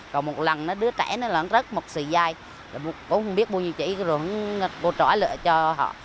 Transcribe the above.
còn một lần đó đứa trẻ nó rớt một xì dai cũng không biết bao nhiêu chỉ rồi cô trỏ lựa cho họ